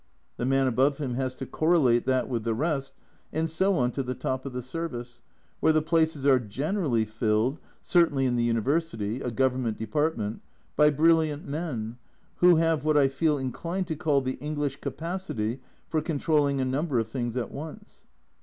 The man above him has to correlate that with the rest, and so on to the top of the service, where the places are generally filled (certainly in the University, a Govern ment Department) by brilliant men, who have what I feel inclined to call the English capacity for control ling a number of things at once.